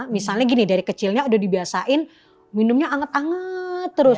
misalnya gini dari kecilnya udah dibiasain minumnya anget anget terus